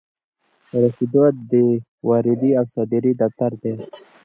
رسیدات د واردې او صادرې دفتر دی.